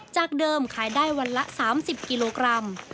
จากเดิมขายได้วันละ๓๐กิโลกรัม